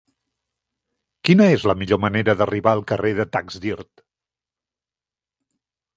Quina és la millor manera d'arribar al carrer de Taxdirt?